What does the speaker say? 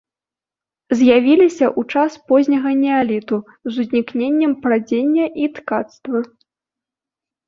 З'явіліся ў час позняга неаліту з узнікненнем прадзення і ткацтва.